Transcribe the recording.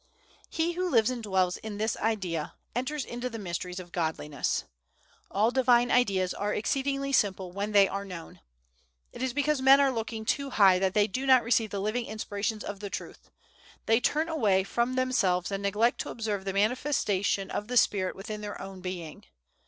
He who lives and dwells in this Idea, enters into the mysteries of Godliness. All divine things are exceedingly simple when they are known. It is because men are looking too high that they do not receive the living inspirations of the Truth; they turn away from themselves, and neglect to observe the manifestation of the spirit within their own being.